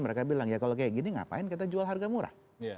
mereka bilang ya kalau kayak gini ngapain kita jual harga murah